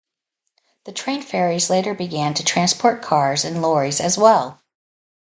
The train ferries later began to transport cars and lorries as well.